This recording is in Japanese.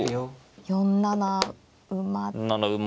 ４七馬。